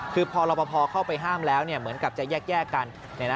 คือพอรับประพอเข้าไปห้ามแล้วเหมือนกับจะแยกกัน